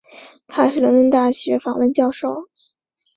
他还是伦敦大学学院访问教授。